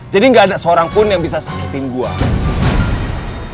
gak ada seorang pun yang bisa sakitin gue